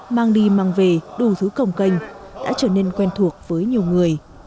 mang đi mang về đủ thứ cổng kênh đã trở nên quen thuộc với nhiều người